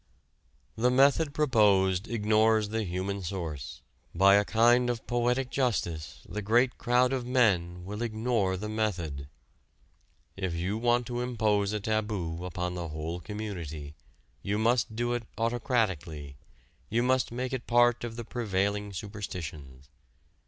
The method proposed ignores the human source: by a kind of poetic justice the great crowd of men will ignore the method. If you want to impose a taboo upon a whole community, you must do it autocratically, you must make it part of the prevailing superstitions.